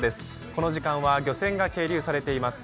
この時間は漁船が係留されています。